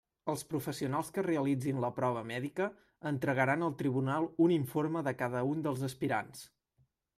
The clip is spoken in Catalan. Els professionals que realitzin la prova mèdica entregaran al tribunal un informe de cada un dels aspirants.